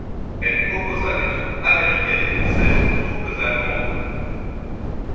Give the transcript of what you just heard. Elle opposa des troupes américaines et françaises aux troupes allemandes.